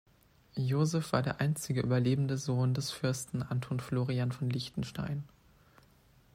Josef war der einzige überlebende Sohn des Fürsten Anton Florian von Liechtenstein.